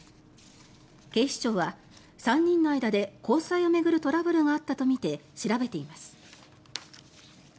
警視庁は３人の間で交際を巡るトラブルがあったとみて調べています。